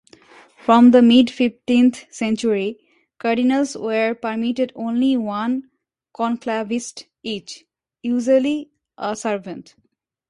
From the mid-fifteenth century, cardinals were permitted only one conclavist each, usually a servant.